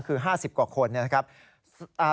คือ๕๐กว่าคน